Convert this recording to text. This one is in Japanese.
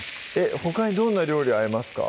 ほかにどんな料理合いますか？